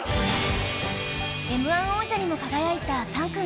Ｍ−１ 王者にも輝いた３組